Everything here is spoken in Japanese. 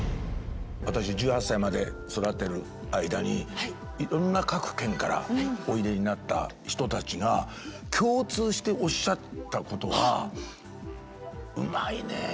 私１８歳まで育ってる間にいろんな各県からおいでになった人たちが共通しておっしゃったことが「うまいね！水が」って。